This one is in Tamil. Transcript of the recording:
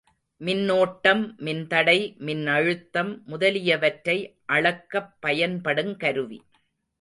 மின்னோட்டம், மின்தடை, மின்னழுத்தம் முதலியவற்றை அளக்கப் பயன்படுங் கருவி.